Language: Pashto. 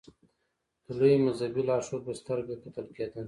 د لوی مذهبي لارښود په سترګه کتل کېدل.